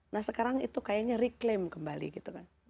nah sekarang itu kayaknya reclaim kembali gitu kan